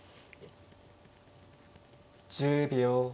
１０秒。